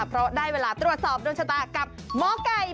เพราะได้เวลาตรวจสอบโดนชะตากับหมอกัยพ่อพาที่นี่